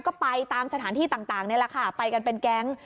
ก็ไปตามสถานที่ต่างนี่แหละค่ะไปกันเป็นแก๊ง